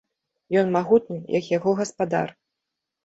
Ён магутны, як яго гаспадар.